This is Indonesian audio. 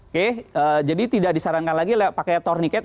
oke jadi tidak disarankan lagi pakai tourniquet